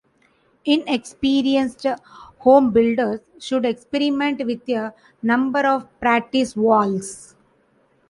Inexperienced homebuilders should experiment with a number of practice walls.